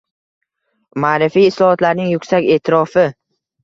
Ma’rifiy islohotlarning yuksak e’tirofing